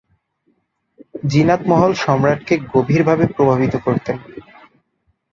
জিনাত মহল সম্রাটকে গভীরভাবে প্রভাবিত করতেন।